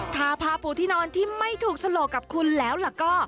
ถ้าผ้าปูที่นอนที่ไม่ถูกฉลกกับคุณแล้วล่ะก็